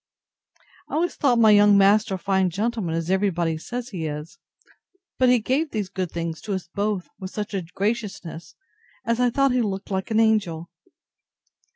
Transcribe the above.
I always thought my young master a fine gentleman, as every body says he is: but he gave these good things to us both with such a graciousness, as I thought he looked like an angel.